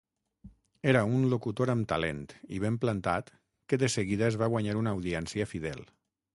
Era un locutor amb talent i ben plantat que de seguida es va guanyar una audiència fidel.